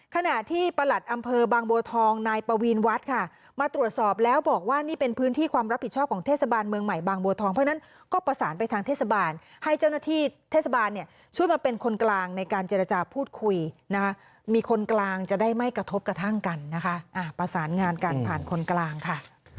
ขณะที่ประหลัดอำเภอบางบัวทองนายปวีนวัดค่ะมาตรวจสอบแล้วบอกว่านี่เป็นพื้นที่ความรับผิดชอบของเทศบาลเมืองใหม่บางบัวทองเพราะฉะนั้นก็ประสานไปทางเทศบาลให้เจ้าหน้าที่เทศบาลเนี่ยช่วยมาเป็นคนกลางในการเจรจาพูดคุยนะคะมีคนกลางจะได้ไม่กระทบกระทั่งกันนะคะประสานงานกันผ่านคนกลางค่ะ